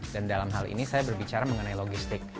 dan dalam hal ini saya berbicara mengenai logistik